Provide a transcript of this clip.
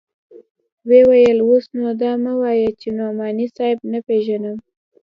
ويې ويل اوس نو دا مه وايه چې نعماني صاحب نه پېژنم.